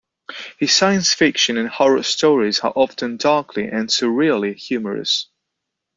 His science fiction and horror stories are often darkly and surreally humorous.